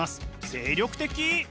精力的！